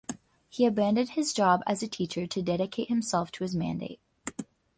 He abandoned his job as a teacher to dedicate himself to his mandate.